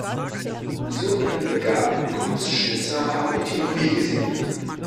So einen begabten Kunstschnitzer habe ich noch nie gesehen.